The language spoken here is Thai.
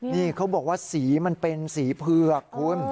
นี่เขาบอกว่าสีมันเป็นสีเผือกคุณ